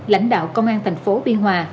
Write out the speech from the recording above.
lãnh đạo công an tp biên hòa